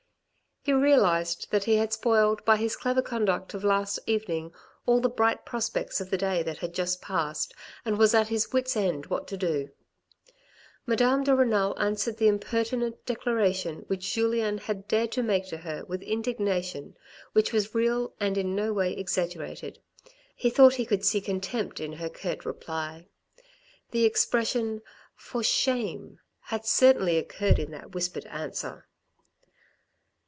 He realised that he had spoiled by his clever conduct of last evening all the bright prospects of the day that had just passed, and was at his wits' end what to do. Madame de Renal answered the impertinent declaration which Julien had dared to make to her with indignation which was real and in no way exaggerated. He thought he could see contempt in her curt reply. The expression 9o THE RED AND THE BLACK " for shame," had certainly occurred in that whispered answer.